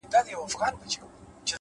مهرباني له هرې ژبې ښه پوهېږي’